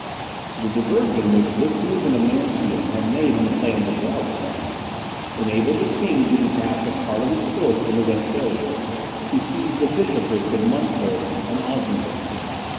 The diversion which this movement of Mansfeld had made in the plans of Wallenstein, enabled the king to detach a part of his force into Westphalia, to seize the bishoprics of Munster and Osnaburg.